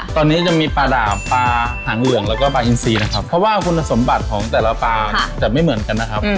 ตอนนี้จะมีปลาดาบปลาหางเหลืองแล้วก็ปลาอินซีนะครับเพราะว่าคุณสมบัติของแต่ละปลาจะไม่เหมือนกันนะครับ